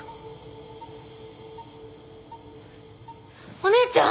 お姉ちゃん！？